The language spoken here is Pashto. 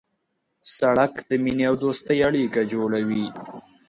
سړک د مینې او دوستۍ اړیکه جوړوي.